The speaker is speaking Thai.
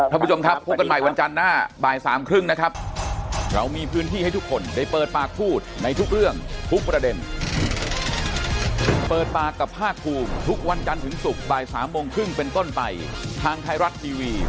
ท่านผู้ชมครับพบกันใหม่วันจันทร์หน้าบ่ายสามครึ่งนะครับ